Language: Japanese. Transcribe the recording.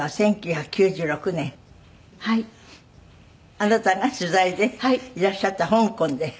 あなたが取材でいらっしゃった香港で。